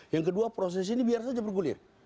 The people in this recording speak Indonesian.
yang kedua proses ini biar saja bergulir